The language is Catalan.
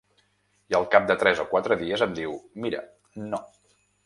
I al cap de tres o quatre dies em diu: Mira, no.